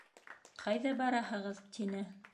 — Ҡайҙа бараһығыҙ? — тине.